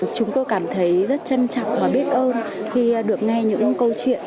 chúng tôi cảm thấy rất chân chặt và biết ơn khi được nghe những câu chuyện